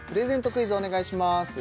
クイズお願いします